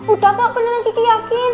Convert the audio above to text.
udah kok beneran kiki yakin